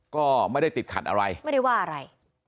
ก็ไม่ได้ติดขัดอะไรไม่ได้ว่าอะไร